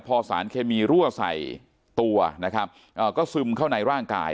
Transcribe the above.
พอสารเคมีรั่วใส่ตัวนะครับก็ซึมเข้าในร่างกาย